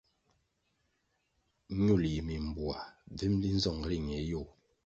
Ñul yi mimbuwah bvimli nzong ri ñe yôh.